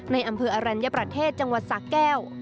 ในอำเภออรัญญประเทศจังหวัดสะแก้ว